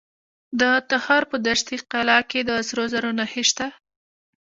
د تخار په دشت قلعه کې د سرو زرو نښې شته.